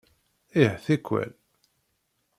Ih, tikwal.